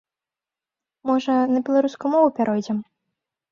Можа, на беларускую мову пяройдзем?